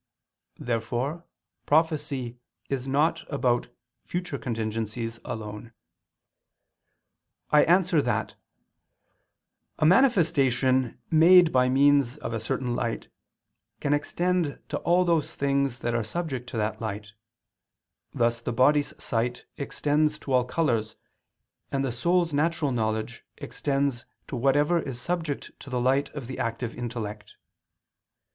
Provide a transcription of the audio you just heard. Therefore prophecy is not about future contingencies alone. I answer that, A manifestation made by means of a certain light can extend to all those things that are subject to that light: thus the body's sight extends to all colors, and the soul's natural knowledge extends to whatever is subject to the light of the active intellect.